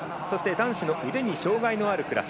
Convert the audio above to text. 男子の腕に障がいのあるクラス。